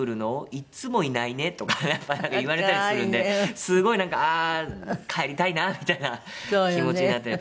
「いっつもいないね」とかやっぱ言われたりするんですごいなんか帰りたいなみたいな気持ちになったりやっぱりしますね。